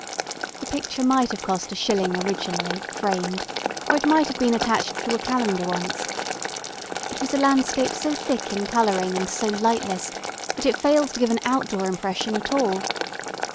The picture might have cost a shilling originally, framed, or it might have been attached to a calendar once. It was a landscape so thick in colouring and so lightless that it failed to give an outdoor impression at all.